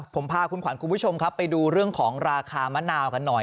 ผมพาคุณขวัญคุณผู้ชมครับไปดูเรื่องของราคามะนาวกันหน่อย